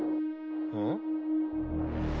うん？